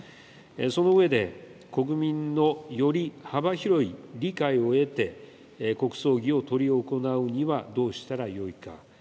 その上で、国民のより幅広い理解を得て、国葬儀を執り行うにはどうしたらよいか。